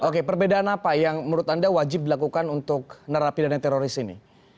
oke perbedaan apa yang menurut anda wajib dilakukan untuk narapidana teroris ini